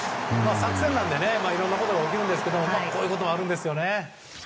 作戦なのでいろんなことが起きますがこういうこともあるんですよね。